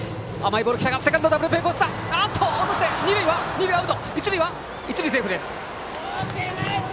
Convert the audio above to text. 二塁アウト、一塁はセーフです。